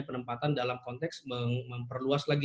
penempatan dalam konteks memperluas lagi